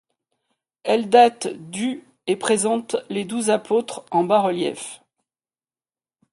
Elle date du et présente les douze apôtres en bas-relief.